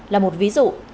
là một ví dụ